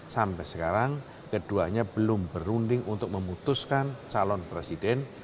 sampai sekarang keduanya belum berunding untuk memutuskan calon presiden